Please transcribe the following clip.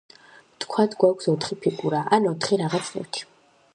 ვთქვათ, გვაქვს ოთხი ფიგურა, ან ოთხი რაღაც ნივთი.